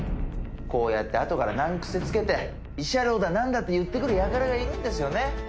こうやってあとから難癖つけて慰謝料だ何だって言ってくるやからがいるんですよね